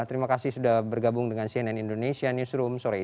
terima kasih sudah bergabung dengan cnn indonesia newsroom sore ini